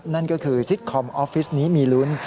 นั่นก็คือซิตคอมออฟฟิศนี้มีลุ้น